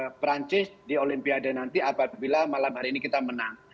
karena perancis di olimpiade nanti apabila malam hari ini kita menang